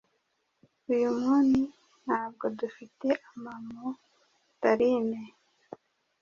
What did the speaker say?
Uyu muni ntabwo dufite amamodarine